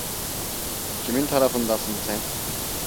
Kimin tarafındasın sen?